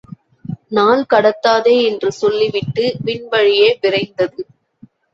நாள் கடத்தாதே என்று சொல்லிவிட்டு விண் வழியே விரைந்தது.